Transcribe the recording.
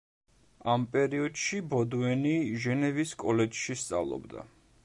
ამ პერიოდში ბოდუენი ჟენევის კოლეჯში სწავლობდა.